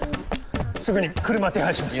すぐに車手配します。